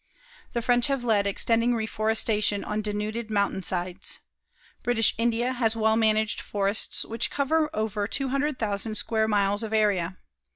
The French have led in extending reforestation on denuded mountain sides. British India has well managed forests which cover over 200,000 square miles of area.